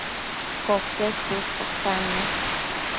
Coquesh tuscatannu